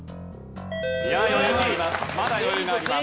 いや余裕があります。